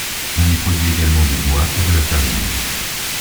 On y produit également du bois et de la farine.